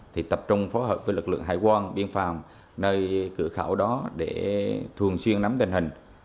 thì tập trung phối hợp với lực lượng hải quan biên phòng nơi cửa khẩu đó để thường xuyên nắm tình hình